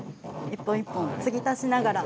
一本一本継ぎ足しながら